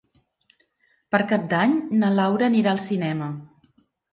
Per Cap d'Any na Laura anirà al cinema.